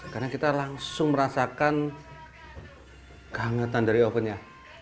karena kita langsung merasakan kehangatan dari ovennya